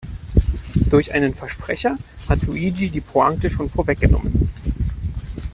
Durch einen Versprecher hat Luigi die Pointe schon vorweggenommen.